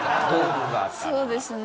そうですね。